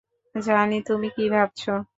জানি তুমি কি ভাবছো।